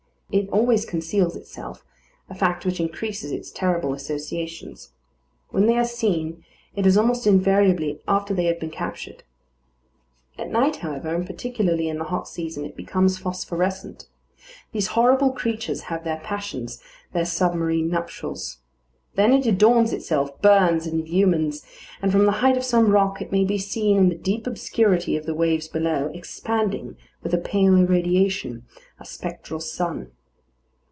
It always conceals itself, a fact which increases its terrible associations. When they are seen, it is almost invariably after they have been captured. At night, however, and particularly in the hot season, it becomes phosphorescent. These horrible creatures have their passions; their submarine nuptials. Then it adorns itself, burns and illumines; and from the height of some rock, it may be seen in the deep obscurity of the waves below, expanding with a pale irradiation a spectral sun.